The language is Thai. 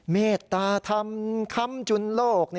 เมตตาธรรมคำจุนโลก